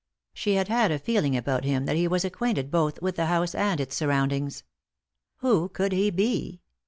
She had had a feeling about him that he was acquainted both with the house and its surroundings. Who could he be